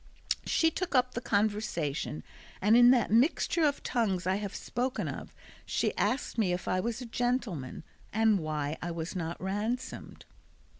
She took up the conversation, and in that mixture of tongues I have spoken of she asked me if I was a gentleman, and why I was not ransomed.